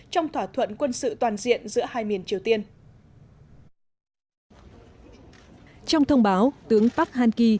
trong thỏa thuận quân sự toàn diện giữa hai miền triều tiên trong thông báo tướng park han ki